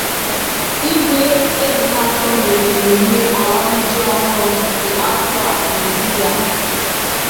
Igwe Ezinato mere mmemme Awam Ji Ọhụrụ nke afọ a na obi ya.